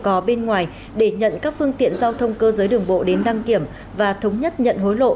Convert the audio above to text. có bên ngoài để nhận các phương tiện giao thông cơ giới đường bộ đến đăng kiểm và thống nhất nhận hối lộ